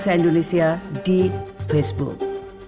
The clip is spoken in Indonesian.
sampai jumpa di facebook